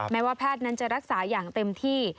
แม้ว่าแพทย์นั้นจะรักษาอย่างเต็มที่